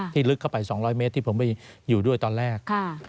ลึกเข้าไป๒๐๐เมตรที่ผมไปอยู่ด้วยตอนแรก